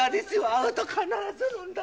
会うと必ず飲んだ。